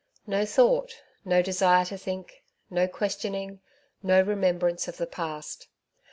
No thought, no desire to think, no questioning, no remembrance of the past